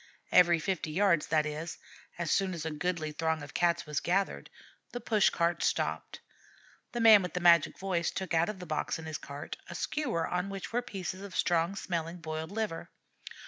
Every fifty yards, that is, as soon as a goodly throng of Cats was gathered, the push cart stopped. The man with the magic voice took out of the box in his cart a skewer on which were pieces of strong smelling boiled liver.